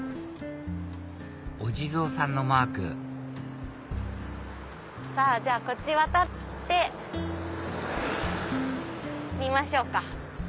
お地蔵さんのマークじゃあこっち渡ってみましょうか。